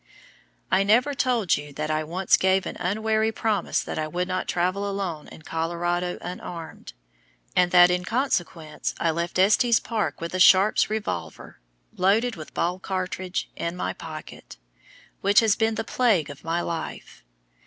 I never told you that I once gave an unwary promise that I would not travel alone in Colorado unarmed, and that in consequence I left Estes Park with a Sharp's revolver loaded with ball cartridge in my pocket, which has been the plague of my life.